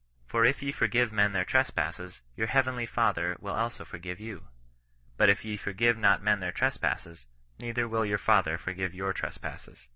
'* For if ye forgive men their trespasses, your heavenly Father will also forgive you. But if ye for give not men their trespasses, neither will your Father forgive your trespasses.